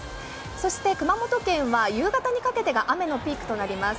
そして熊本県は夕方にかけてが雨のピークとなります。